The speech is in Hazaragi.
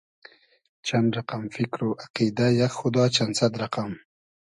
چئن رئقئم فیکر و اقیدۂ یئگ خودا چئن سئد رئقئم